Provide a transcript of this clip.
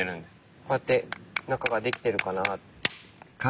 こうやって中が出来てるかな。